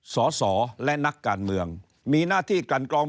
สอสอและนักการเมืองมีหน้าที่กันกรอง